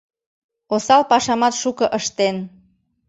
Осал пашамат шуко ыштен.